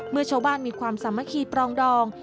เมื่อชาวบ้านมีความสามัคคีปรองดอง